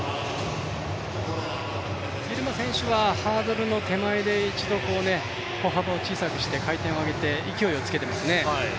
ギルマ選手はハードルの手前で一度歩幅を小さくして回転を上げて勢いをつけていますね。